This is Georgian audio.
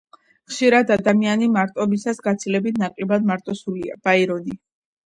ხშირად ადამიანი მარტოობისას გაცილებით ნაკლებად მარტოსულია” – ბაირონი